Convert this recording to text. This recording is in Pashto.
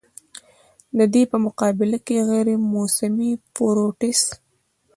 د دې پۀ مقابله کښې غېر موسمي فروټس